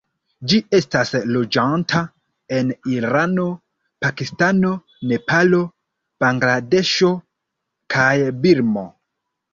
Ĝi estas loĝanta en Irano, Pakistano, Nepalo, Bangladeŝo kaj Birmo.